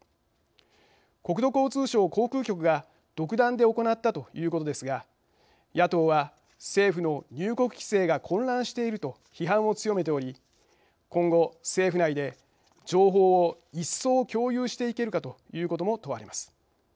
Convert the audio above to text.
国土交通省航空局が独断で行ったということですが野党は政府の入国規制が混乱していると批判を強めており今後政府内で情報を一層共有していけるかということも問われます。